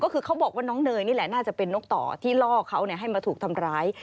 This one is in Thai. ก็คือเขาบอกว่าน้องเนยนี่แหละน่าจะเป็นนกต่อที่ล่อเขาให้มาถูกทำร้าย